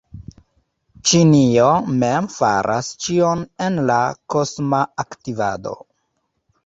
Ĉinio mem faras ĉion en la kosma aktivado.